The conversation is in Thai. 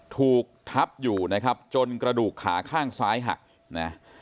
ถูกทับอยู่นะครับจนกระดูกขาข้างซ้ายหักนะ